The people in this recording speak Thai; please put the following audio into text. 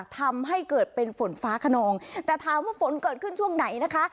ทำให้เกิดเป็นฝนฟ้าขนองแต่ถามว่าฝนเกิดขึ้นช่วงไหนนะคะ